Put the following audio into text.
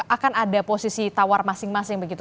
akan ada posisi tawar masing masing begitu